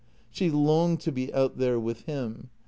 She longed to be out there with him.